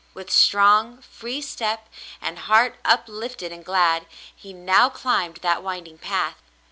With strong, free step and heart up lifted and glad, he now climbed that winding path.